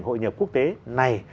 hội nhập quốc tế này